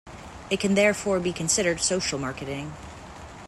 It can therefore be considered social marketing.